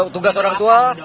tugas orang tua